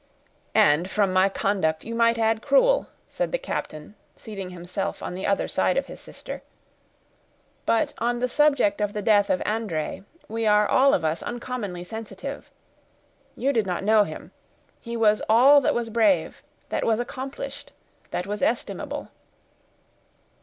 "And, from my conduct, you might add cruel," said the captain, seating himself on the other side of his sister. "But on the subject of the death of André we are all of us uncommonly sensitive. You did not know him: he was all that was brave—that was accomplished—that was estimable."